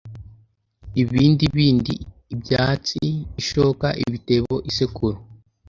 ibibindi, ibyansi, ishoka, ibitebo, isekuru…